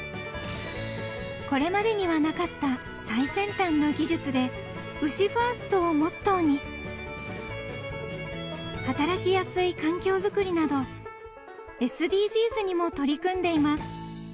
［これまでにはなかった最先端の技術で牛ファーストをモットーに働きやすい環境づくりなどＳＤＧｓにも取り組んでいます］